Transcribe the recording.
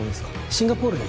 シンガポールに